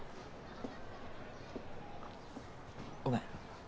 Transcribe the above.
ごめん。